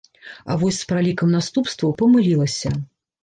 А вось з пралікам наступстваў памылілася.